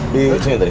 di sini tadi